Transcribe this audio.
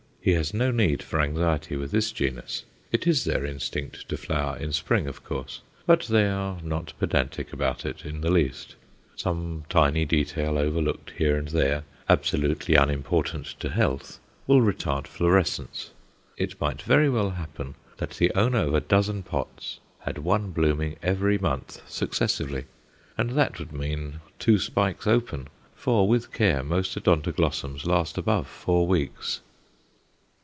He has no need for anxiety with this genus. It is their instinct to flower in spring, of course, but they are not pedantic about it in the least. Some tiny detail overlooked here and there, absolutely unimportant to health, will retard florescence. It might very well happen that the owner of a dozen pots had one blooming every month successively. And that would mean two spikes open, for, with care, most Odontoglossums last above four weeks.